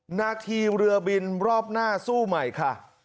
หน้าทีเรือบินรอบหน้าสู้ใหม่ค่ะ